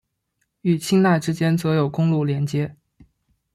与钦奈之间则有公路连接。